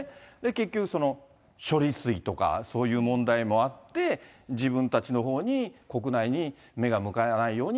結局、処理水とか、そういう問題もあって、自分たちのほうに、国内に目が向かないように、